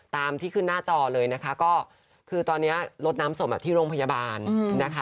ตามที่ขึ้นหน้าจอเลยนะคะก็คือตอนนี้ลดน้ำศพที่โรงพยาบาลนะคะ